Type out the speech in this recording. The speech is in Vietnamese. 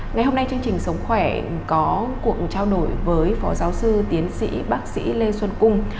ngày hôm nay chương trình sống khỏe có cuộc trao đổi với phó giáo sư tiến sĩ bác sĩ lê xuân cung